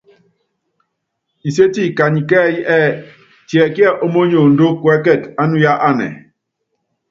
Nsétie kɛ́ɛ́yí ɛɛ: Tiɛkíɛ ómóniondó kuɛ́kɛtɛ ánuya anɛ ?